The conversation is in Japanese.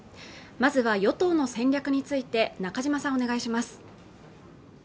まずは与党の戦略について中島さんお願いします